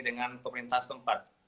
dengan pemerintah tempat